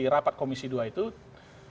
mereka harus mencari negara yang berkeadilan